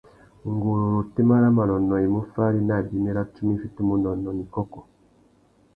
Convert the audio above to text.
Nguru râ otémá râ manônōh i mú fári nà abimî râ tsumu i fitimú unônōh nà ikôkô.